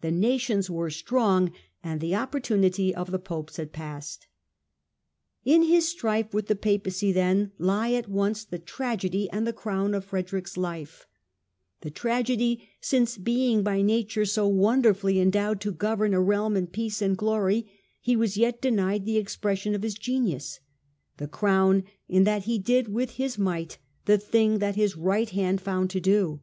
The nations were strong and the opportunity of the Popes had passed. In his strife with the Papacy, then, lie at once the tragedy and the crown of Frederick's life : the tragedy since, being by nature so wonderfully endowed to govern a realm in peace and glory, he was yet denied the ex pression of his genius ; the crown in that he did with his might the thing that his right hand found to do.